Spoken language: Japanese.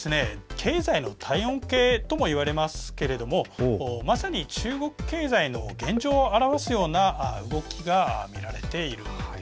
経済の体温計とも言われますけれどもまさに中国経済の現状を表すようなはい。